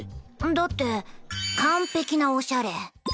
だって完璧なおしゃれ頻繁に